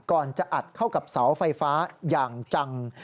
ก่อนจะอัดเข้ากับเสาไฟฟ้าอย่างจัง